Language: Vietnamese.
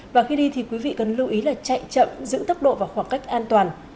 và khi đi thì quý vị cần lưu ý là chạy chậm giữ tốc độ và khoảng cách an toàn